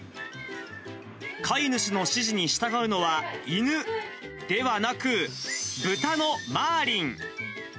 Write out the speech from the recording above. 飼い主の指示に従うのは犬ではなく、ブタのマーリン。